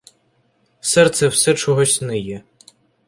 Серце все чогось ниє.